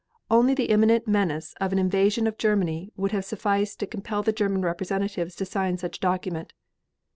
Only the imminent menace of an invasion of Germany would have sufficed to compel the German representatives to sign such a document.